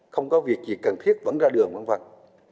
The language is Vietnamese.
không có việc gì cần thiết vẫn ra đường văn văn